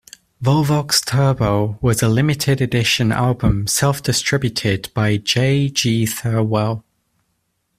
"Volvox Turbo" was a limited edition album self-distributed by J. G. Thirlwell.